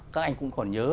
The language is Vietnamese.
các anh cũng còn nhớ